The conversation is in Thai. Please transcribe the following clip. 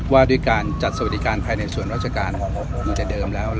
ว่าด้วยการจัดสวัสดิการภายในส่วนราชการแต่เดิมแล้ว